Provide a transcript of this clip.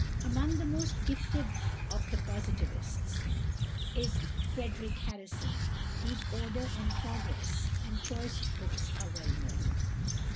Among the most gifted of the Positivists is =Frederic Harrison (1831 )=, whose "Order and Progress," and "Choice of Books," are well known.